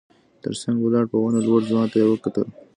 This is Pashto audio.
تر څنګ ولاړ په ونه لوړ ځوان ته يې وکتل.